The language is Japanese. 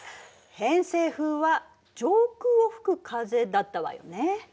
偏西風は上空を吹く風だったわよね。